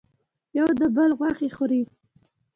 یو د بل غوښې خوري.